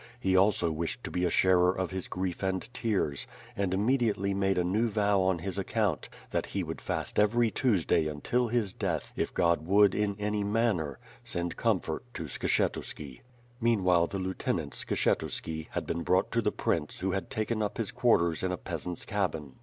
He also wished to be a sharer of his grief and tears, and immediately made a new vow on his ac count; that e would fast every Tuesday until his death, if God would in any manner, send comfort to Skshetuski. Meanwhile the lieutenant, Skshetuski, had been brought to the prince who had taken up his quarters in a peasant's cabin.